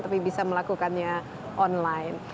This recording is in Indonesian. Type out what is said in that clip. tapi bisa melakukannya online